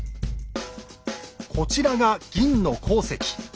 こちらが銀の鉱石。